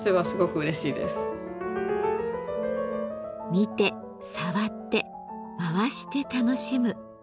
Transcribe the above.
見て触って回して楽しむ。